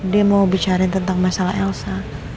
dia mau bicara tentang masalah elsa